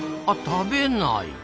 あ食べない。